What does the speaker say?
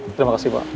terima kasih pak